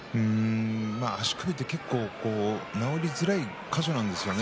足首は結構治りづらい箇所なんですよね。